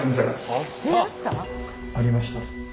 ありました。